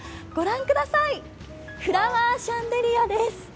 御覧ください、フラワーシャンデリアです。